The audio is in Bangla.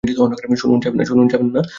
শুনুন, যাবেন না!